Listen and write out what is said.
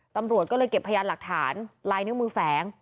ตำรวจก็เลยเก็บพยานหลักฐานลายนิ้วมือแฝง